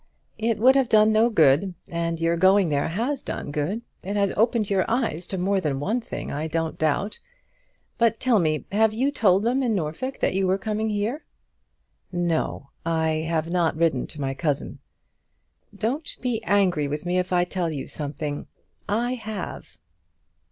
"It would have done no good; and your going there has done good. It has opened your eyes to more than one thing, I don't doubt. But tell me, have you told them in Norfolk that you were coming here?" "No; I have not written to my cousin." "Don't be angry with me if I tell you something. I have."